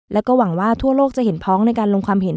แล้วก็หวังว่าทั่วโลกจะเห็นพ้องในการลงความเห็น